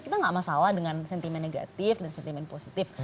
kita nggak masalah dengan sentimen negatif dan sentimen positif